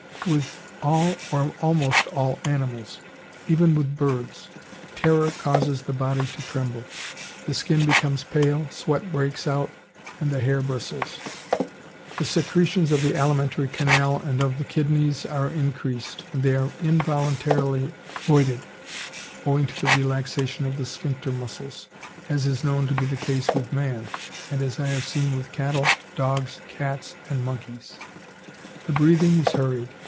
With all or almost all animals, even with birds, Terror causes the body to tremble. The skin becomes pale, sweat breaks out, and the hair bristles. The secretions of the alimentary canal and of the kidneys are increased, and they are involuntarily voided, owing to the relaxation of the sphincter muscles, as is known to be the case with man, and as I have seen with cattle, dogs, cats, and monkeys. The breathing is hurried.